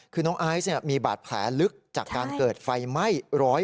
คือน้องไอซ์มีบาดแผลลึกจากการเกิดไฟไหม้๑๐